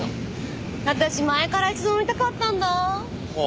私前から一度乗りたかったんだあ。